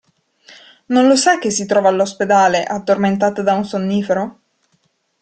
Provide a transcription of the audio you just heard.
Non lo sa che si trova all'ospedale, addormentata da un sonnifero?